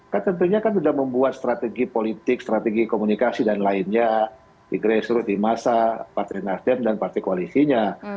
kan tentunya kan sudah membuat strategi politik strategi komunikasi dan lainnya di grassroot di masa partai nasdem dan partai koalisinya